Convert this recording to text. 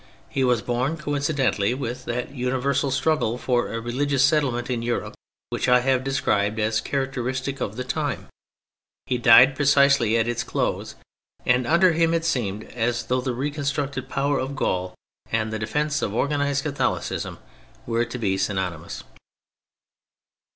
He was born coincidently with that universal struggle for a religious settlement in Europe, which I have described as characteristic of the time; he died precisely at its close; and under him it seemed as though the recon structed power of Gaul and the defence of organised Catholicism were to be synonymous.